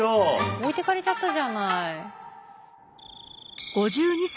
置いてかれちゃったじゃない。